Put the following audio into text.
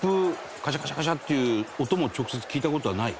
カシャカシャカシャっていう音も直接聞いた事はない？